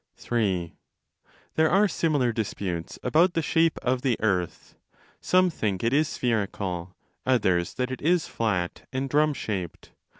° III. There are similar disputes about the shape of the earth. Some think it is spherical, others that it is flat and drum shaped.